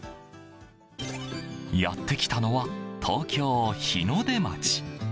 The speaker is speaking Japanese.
やってきたのは東京・日の出町。